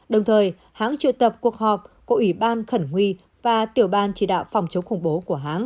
đồng thời hãng triệu tập cuộc họp của ủy ban khẩn nguy và tiểu ban chỉ đạo phòng chống khủng bố của hãng